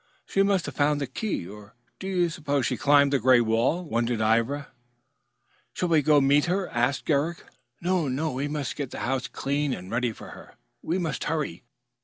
"She must have found the key, or do you suppose she climbed the gray wall?" wondered Ivra. "Shall we go to meet her?" asked Eric. "No, no. We must get the house clean and ready for her. We must hurry."